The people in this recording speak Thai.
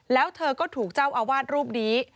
แล้วเธอก็ถูกเจ้าอาวาสรูปนี้